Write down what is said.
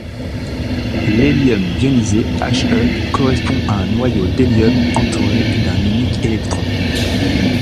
L'hélium ionisé, He, correspond à un noyau d'hélium entouré d'un unique électron.